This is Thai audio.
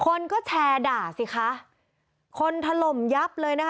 คนก็แชร์ด่าสิคะคนถล่มยับเลยนะคะ